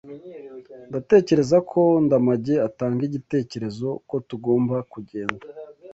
Ndatekereza ko Ndamage atanga igitekerezo ko tugomba kugenda.